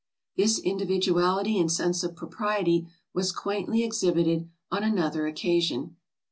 This individuality and sense of propriety was quaintly exhibited on another occasion.